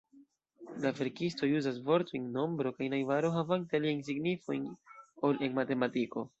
La verkistoj uzas vortojn 'nombro' kaj 'najbaro' havante aliajn signifojn ol en matematiko.